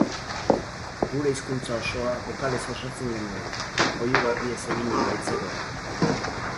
Gure hizkuntza osoa bokalez osatzen genuen, oihu garbiez eginik baitzegoen.